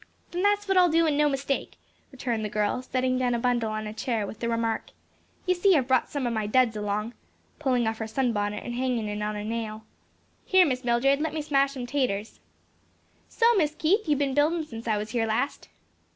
"Then that's what I'll do and no mistake," returned the girl, setting down a bundle on a chair, with the remark, "You see I've brought some o' my duds along," pulling off her sunbonnet and hanging it on a nail. "Here, Miss Mildred, let me smash them 'taters." "So Mis' Keith, you've been buildin' since I was here last."